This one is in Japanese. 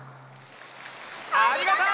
ありがとう！